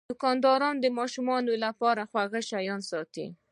دوکاندار د ماشومانو لپاره خوږ شیان ساتي.